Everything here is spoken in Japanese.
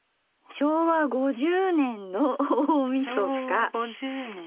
昭和５０年の大みそか。